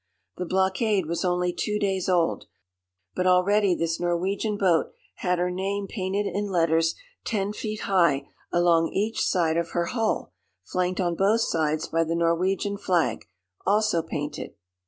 The blockade was only two days old, but already this Norwegian boat had her name painted in letters ten feet high along each side of her hull, flanked on both sides by the Norwegian flag, also painted.